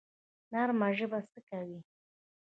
نرمه ژبه څه کوي؟